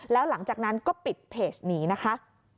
แล้วหลังจากนั้นก็ปิดเพจนี้นะคะ